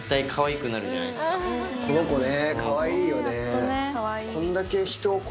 この子ね。